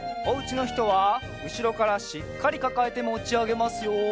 おうちのひとはうしろからしっかりかかえてもちあげますよ。